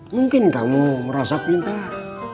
mungkin kamu merasa pintar